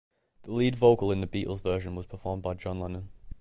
The lead vocal in The Beatles' version was performed by John Lennon.